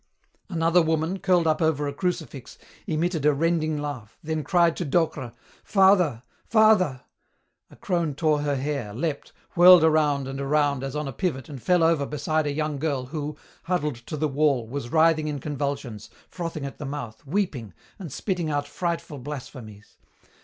Another woman, curled up over a crucifix, emitted a rending laugh, then cried to Docre, "Father, father!" A crone tore her hair, leapt, whirled around and around as on a pivot and fell over beside a young girl who, huddled to the wall, was writhing in convulsions, frothing at the mouth, weeping, and spitting out frightful blasphemies.